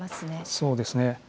そうですね。